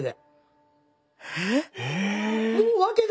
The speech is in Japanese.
えっ。